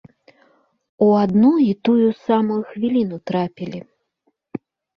У адну і тую самую хвіліну трапілі.